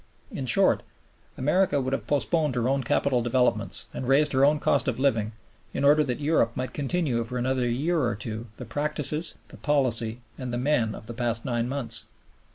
In short, America would have postponed her own capital developments and raised her own cost of living in order that Europe might continue for another year or two the practices, the policy, and the men of the past nine months.